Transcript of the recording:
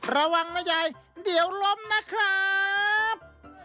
ระวังนะยายเดี๋ยวล้มนะครับ